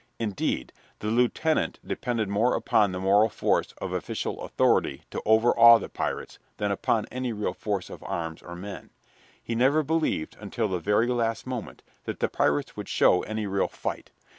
Indeed, the lieutenant depended more upon the moral force of official authority to overawe the pirates than upon any real force of arms or men. He never believed, until the very last moment, that the pirates would show any real fight.